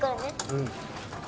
うん。